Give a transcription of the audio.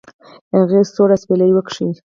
هغې سوړ اسويلى وکېښ.